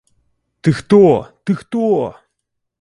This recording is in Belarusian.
Ты хто, ты хто?